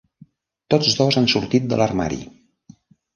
Tots dos han sortit de l'armari!